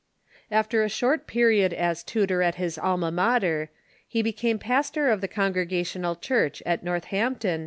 After a short period as tutor at his Alma Mater, he be came pastor of the Congregational Church at Northampton, 1727.